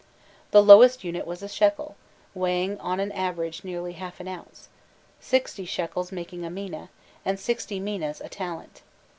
The lowest unit was a shekel, weighing on an average nearly half an ounce, sixty shekels making a mina, and sixty minas a talent.